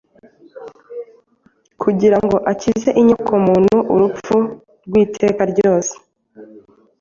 kugira ngo akize inyokomuntu urupfu rw’iteka ryose,